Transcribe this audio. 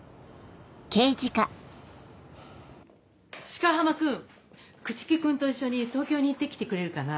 鹿浜君口木君と一緒に東京に行って来てくれるかな？